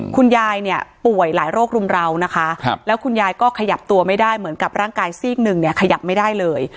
คุณยายเนี่ยป่วยหลายโรครุมราวนะคะแล้วคุณยายก็ขยับตัวไม่ได้เหมือนกับร่างกายซีกหนึ่งเนี่ยขยับไม่ได้เลย